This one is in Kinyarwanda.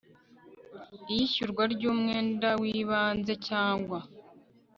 Iyishyurwa ry umwenda w ibanze cyangwa